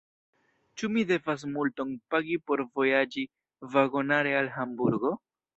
Ĉu mi devas multon pagi por vojaĝi vagonare al Hamburgo?